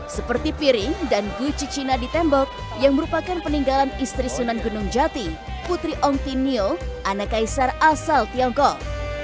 seperti piring dan guci cina di tembok yang merupakan peninggalan istri sunan gunung jati putri ontinio anak kaisar asal tiongkok